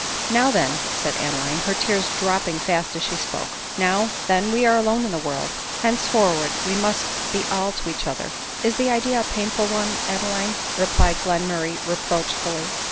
Now, then," said Adeline, her tears dropping fast as she spoke, " now, then, we are alone in the world ; hence forward we must be all to e&ch other." " Is the idea a painful one, Adeline ?" replied Glen murray reproachfully.